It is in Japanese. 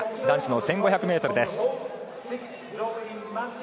男子の１５００ｍです。